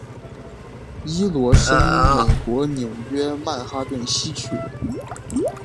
伊罗生美国纽约曼哈顿西区人。